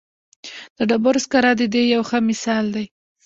د ډبرو سکاره د دې یو ښه مثال دی.